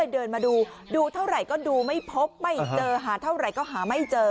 เดินมาดูดูเท่าไหร่ก็ดูไม่พบไม่เจอหาเท่าไหร่ก็หาไม่เจอ